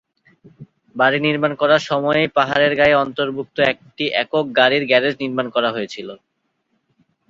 বাড়ী নির্মাণ করার সময়েই পাহাড়ের গায়ে অন্তর্ভুক্ত একটি একক গাড়ির গ্যারেজ নির্মাণ করা হয়েছিল।